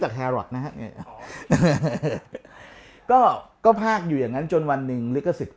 จากแฮรอทนะฮะก็ก็พากอยู่อย่างนั้นจนวันนึงลิเกอร์สิทธิ์